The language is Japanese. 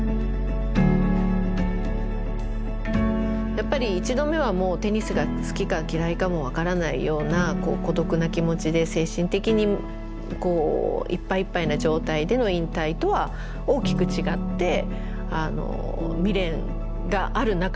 やっぱり１度目はもうテニスが好きか嫌いかも分からないような孤独な気持ちで精神的にいっぱいいっぱいな状態での引退とは大きく違って未練がある中での２回目は引退でしたね。